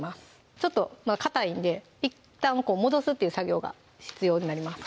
ちょっとかたいんでいったん戻すという作業が必要になります